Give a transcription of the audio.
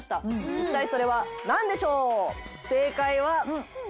一体それはなんでしょう？